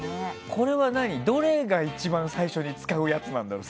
これはどれが一番最初に使うやつなんだろ？